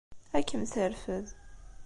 Ad kem-terfed.